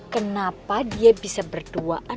kenapa dia bisa berduaan